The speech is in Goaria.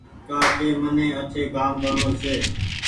ڪآ ڪي مني آٺي ڪآم ڪرڻو ڇي